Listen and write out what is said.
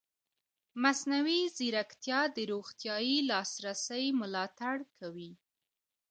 مصنوعي ځیرکتیا د روغتیايي لاسرسي ملاتړ کوي.